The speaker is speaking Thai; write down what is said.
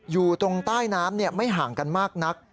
อยู่ตรงใต้น้ำไม่ห่างกันมากนัก